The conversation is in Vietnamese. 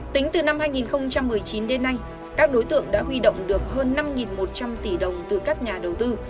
tính từ năm hai nghìn một mươi chín đến nay các đối tượng đã huy động được hơn năm một trăm linh tỷ đồng từ các nhà đầu tư